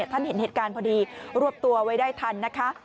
ท่านเห็นเหตุการณ์พอดีรวบตัวไว้ได้ทันนะคะ